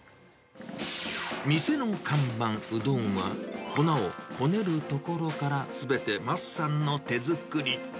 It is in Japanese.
店の看板、うどんは、粉をこねるところからすべてマスさんの手作り。